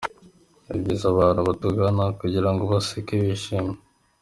Ni byiza ko abantu batugana kugira ngo baseke bishime.